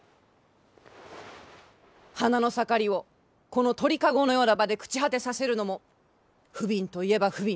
花の盛りをこの鳥籠のような場で朽ち果てさせるのも不憫といえば不憫。